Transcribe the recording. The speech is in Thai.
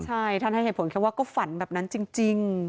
ใช่ท่านให้เหตุผลแค่ว่าก็ฝันแบบนั้นจริง